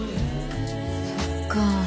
そっか。